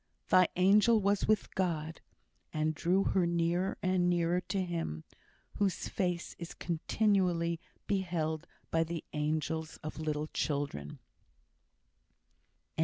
thy angel was with God, and drew her nearer and nearer to Him, whose face is continually beheld by the angels of little children.